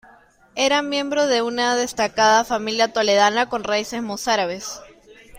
Era miembro de una destacada familia toledana con raíces mozárabes.